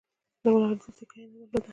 د ولاړېدو سېکه یې نه درلوده.